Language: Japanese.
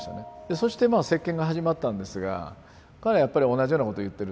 そしてまあ接見が始まったんですが彼はやっぱり同じようなことを言ってるんですね